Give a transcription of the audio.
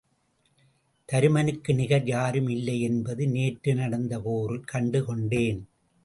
தருமனுக்கு நிகர் யாரும் இல்லை என்பது நேற்று நடந்த போரில் கண்டு கொண்டேன்.